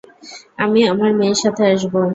আমি আমার মেয়ের সাথে আসব।